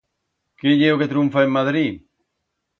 Qué ye o que trunfa en Madrid?